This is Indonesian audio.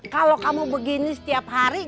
kalau kamu begini setiap hari